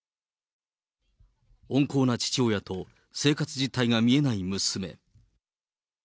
温厚な父親と生活実態が見えない娘。